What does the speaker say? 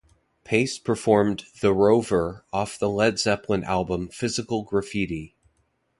Paice performed "The Rover" off the Led Zeppelin album Physical Graffiti.